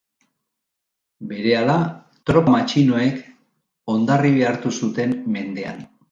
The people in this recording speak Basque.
Berehala, tropa matxinoek Hondarribia hartu zuten mendean.